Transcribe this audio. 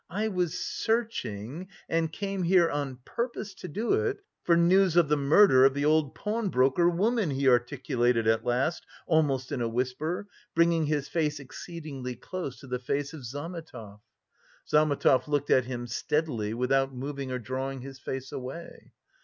"I was searching and came here on purpose to do it for news of the murder of the old pawnbroker woman," he articulated at last, almost in a whisper, bringing his face exceedingly close to the face of Zametov. Zametov looked at him steadily, without moving or drawing his face away.